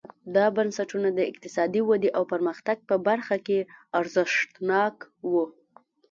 دا بنسټونه د اقتصادي ودې او پرمختګ په برخه کې ارزښتناک وو.